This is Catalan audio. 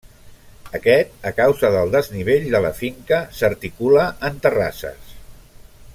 Aquest, a causa del desnivell de la finca, s'articula en terrasses.